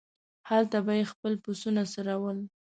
هلته به یې خپل پسونه څرول.